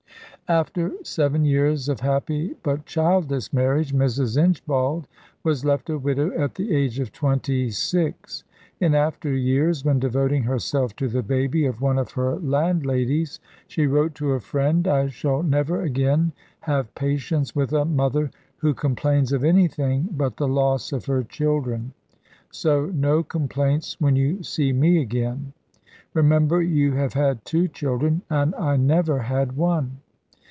After seven years of happy but childless marriage, Mrs. Inchbald was left a widow at the age of twenty six. In after years, when devoting herself to the baby of one of her landladies, she wrote to a friend, "I shall never again have patience with a mother who complains of anything but the loss of her children; so no complaints when you see me again. Remember, you have had two children, and I never had one."